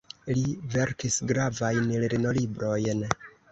Li verkis gravajn lernolibrojn.